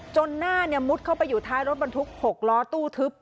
หน้ามุดเข้าไปอยู่ท้ายรถบรรทุก๖ล้อตู้ทึบ